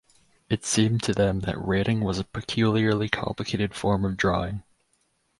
It seemed to them that writing was a peculiarly complicated form of drawing.